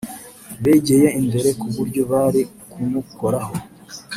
begeye imbere ku buryo bari kumukoraho